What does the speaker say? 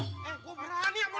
eh gue marah nih aku